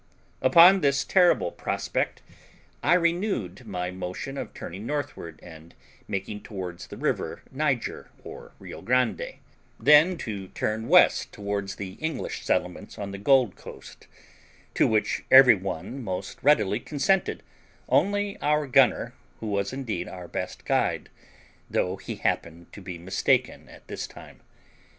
Upon this terrible prospect I renewed my motion of turning northward, and making towards the river Niger or Rio Grande, then to turn west towards the English settlements on the Gold Coast; to which every one most readily consented, only our gunner, who was indeed our best guide, though he happened to be mistaken at this time.